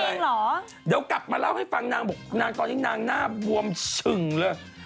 เหรอเดี๋ยวกลับมาเล่าให้ฟังนางบอกนางตอนนี้นางหน้าบวมฉึ่งเลย